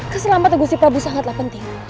keselamatan gusi prabu sangatlah penting